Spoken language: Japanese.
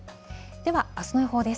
では、あすの予報です。